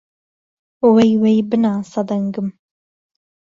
وهی وهی بناسه دهنگم